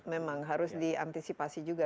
memang harus diantisipasi juga